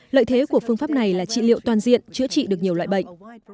lợi thế của phương pháp này là trị liệu toàn diện chữa trị được nhiều loại bệnh